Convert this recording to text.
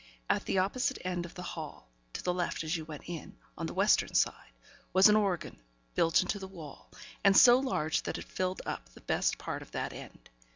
At the opposite end of the hall, to the left as you went in on the western side was an organ built into the wall, and so large that it filled up the best part of that end.